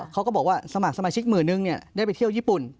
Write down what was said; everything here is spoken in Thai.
เขาก็บอกว่าสมัครสมาชิกหมื่นนึงได้ไปเที่ยวญี่ปุ่น